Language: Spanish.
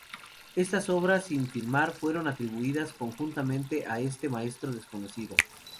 Estas obras sin firmar fueron atribuidas conjuntamente a este maestro desconocido.